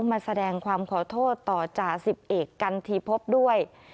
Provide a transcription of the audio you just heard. มาแสดงความขอโทษต่อจ่าสิบเอกกันทีพบด้วย